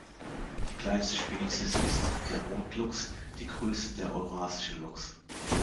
Die kleinste Spezies ist der Rotluchs, die größte der Eurasische Luchs.